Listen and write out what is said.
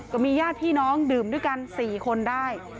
ก็มีญาติพี่น้องดื่มด้วยกัน๔คนได้